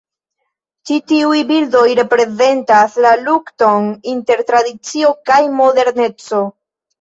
Ĉi tiuj bildoj reprezentas la lukton inter tradicio kaj moderneco.